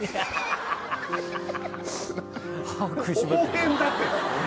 応援だって。